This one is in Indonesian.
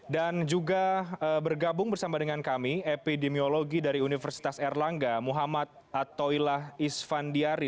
dan juga bergabung bersama dengan kami epidemiologi dari universitas erlangga muhammad attoilah isfandiari